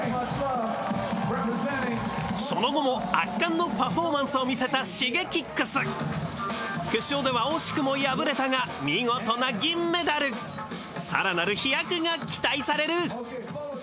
その後も圧巻のパフォーマンスを見せたＳｈｉｇｅｋｉｘ決勝では惜しくも敗れたが見事な銀メダルさらなる飛躍が期待される